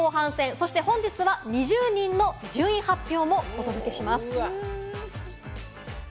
そして本日は２０人の順位発表もお届けします。